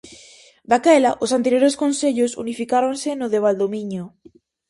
Daquela os anteriores concellos unificáronse no de Valdoviño.